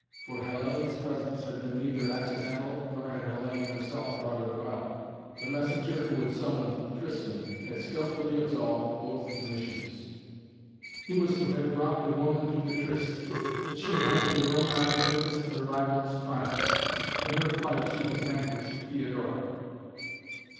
For Hellayne's presence had been neither accidental, nor had Hellayne herself brought it about. The messenger who had summoned Tristan had skillfully absolved both commissions. He was to have brought the woman to the tryst, that she might, with her own eyes, witness her rival's triumph. In her flight she had vanquished Theodora.